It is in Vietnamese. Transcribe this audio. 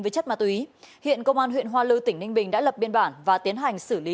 với chất ma túy hiện công an huyện hoa lư tỉnh ninh bình đã lập biên bản và tiến hành xử lý